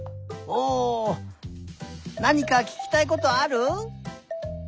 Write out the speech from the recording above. おなにかききたいことある？